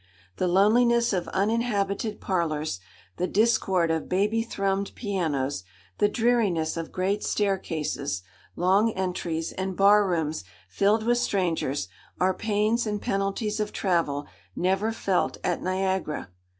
The loneliness of uninhabited parlours, the discord of baby thrummed pianos, the dreariness of great staircases, long entries, and bar rooms filled with strangers, are pains and penalties of travel never felt at Niagara.